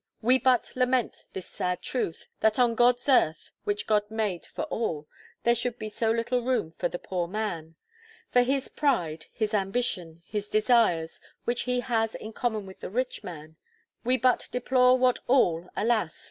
We but lament this sad truth, that on God's earth, which God made for all, there should be so little room for the poor man; for his pride, his ambition, his desires, which he has in common with the rich man; we but deplore what all, alas!